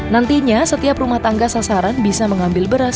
nantinya setiap rumah tangga sasaran bisa mengambil beras